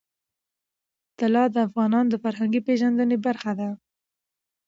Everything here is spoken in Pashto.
طلا د افغانانو د فرهنګي پیژندنې برخه ده.